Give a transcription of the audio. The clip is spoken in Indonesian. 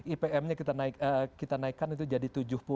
ipm nya kita naikkan itu jadi tujuh puluh